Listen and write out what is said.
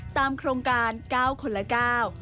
ตามโครงการก้าวคนละก้าว